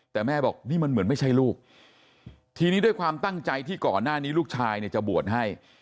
แต่แม่บอกนี่มันเหมือนไม่ใช่ลูกทีนี้ด้วยความตั้งใจที่ก่อนหน้านี้ลูกชายเนี่ยจะบวชให้